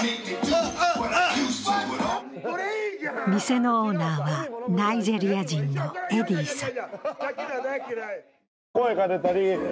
店のオーナーはナイジェリア人のエディさん。